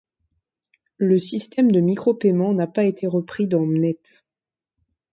Le système de micro-paiement n'a pas été repris dans Mnet.